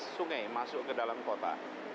sungai masuk ke dalam kota